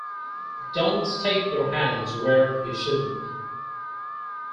Don't stick your hands where you shouldn't.